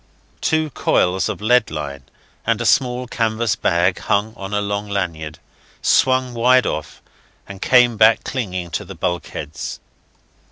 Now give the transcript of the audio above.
Two coils of lead line and a small canvas bag hung on a long lanyard, swung wide off, and came back clinging to the bulkheads.